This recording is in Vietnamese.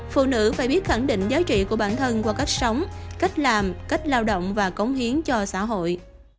phụ nữ phải biết khẳng định giá trị của bản thân qua cách sống cách làm cách lao động và cống hiến cho xã hội